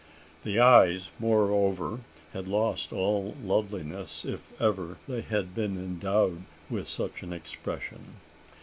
The eyes, moreover, had lost all loveliness, if ever they had been endowed with such an expression.